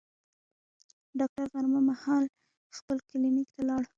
ډاکټر غرمه مهال خپل کلینیک ته لاړ.